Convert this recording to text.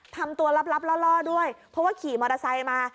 ทำตัวลับล่อด้วยเพราะว่าขี่มอเตอร์ไซค์มา